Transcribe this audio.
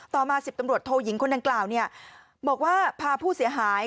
ต่อมา๑๐ตำรวจโทยิงคนดังกล่าวบอกว่าพาผู้เสียหาย